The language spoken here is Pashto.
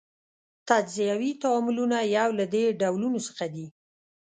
تجزیوي تعاملونه یو له دې ډولونو څخه دي.